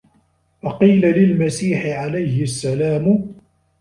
وَقِيلَ لِلْمَسِيحِ عَلَيْهِ السَّلَامُ